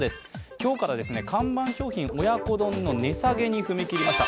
今日から看板商品、親子丼の値下げに踏み切りました。